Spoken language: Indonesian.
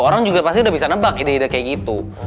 orang juga pasti udah bisa nebak ide ide kayak gitu